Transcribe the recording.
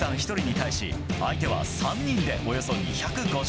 １人に対し相手は３人で、およそ２５０ｋｇ。